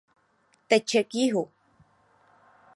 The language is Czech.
Teče k jihu.